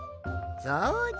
そうじゃ。